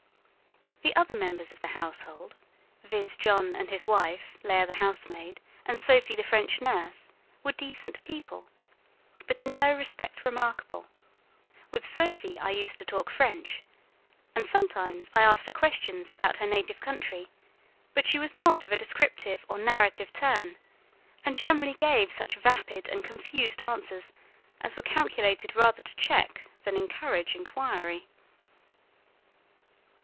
The other members of the household, viz., John and his wife, Leah the housemaid, and Sophie the French nurse, were decent people; but in no respect remarkable; with Sophie I used to talk French, and sometimes I asked her questions about her native country; but she was not of a descriptive or narrative turn, and generally gave such vapid and confused answers as were calculated rather to check than encourage inquiry.